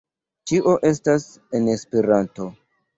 Ĉio estas en Esperanto